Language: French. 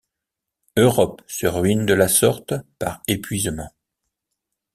Europe se ruine de la sorte par épuisement.